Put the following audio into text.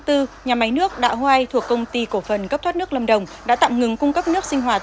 đạo hoài thuộc công ty cổ phần cấp thoát nước lâm đồng đã tạm ngừng cung cấp nước sinh hoạt